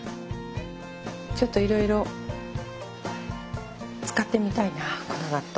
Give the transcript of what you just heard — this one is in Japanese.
ちょっといろいろ使ってみたいなこの納豆。